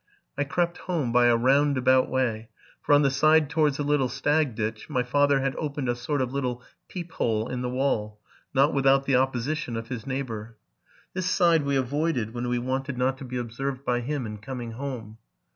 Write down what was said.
I crept home by a roundabout way; for, on the side towards the little Stag ditch, my father had opened a sort of little peep hole in the wall, not without the opposition of his neighbor. 'This side we avoided when we wanted not to be observed by him in coming home.